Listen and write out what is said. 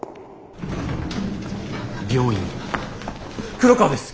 黒川です！